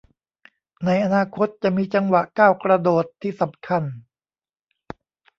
ในอนาคตจะมีจังหวะก้าวกระโดดที่สำคัญ